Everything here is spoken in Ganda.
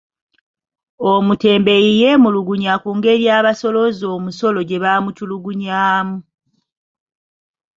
Omutembeeyi yeemulugunya ku ngeri abasoolooza omusolo gye bamutulugunyaamu.